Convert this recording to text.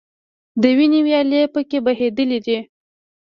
د وینو ویالې په کې بهیدلي دي.